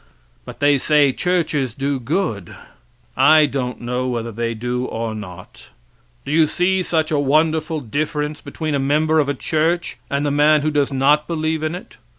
But they say churches do good. I don't know whether they do or not. Do you see such a wonderful difference between a member of a church and the man who does not believe in it?